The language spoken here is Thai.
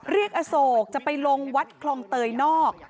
อโศกจะไปลงวัดคลองเตยนอก